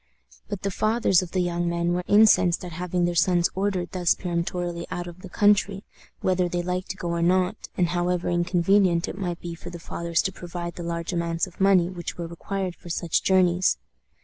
But the fathers of the young men were incensed at having their sons ordered thus peremptorily out of the country, whether they liked to go or not, and however inconvenient it might be for the fathers to provide the large amounts of money which were required for such journeys.